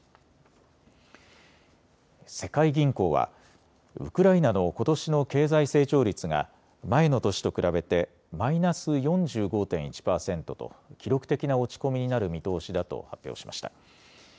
世界銀行はウクライナのことしの経済成長率が前の年と比べてマイナス４５．１％と記録的な落ち込みになる見通しだと発表しました。